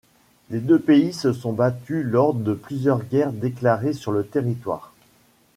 Les deux pays se sont battus lors de plusieurs guerres déclarées sur le territoire.